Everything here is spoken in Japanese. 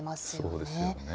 そうですよね。